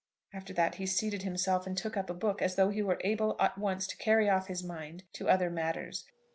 After that, he seated himself, and took up a book as though he were able at once to carry off his mind to other matters.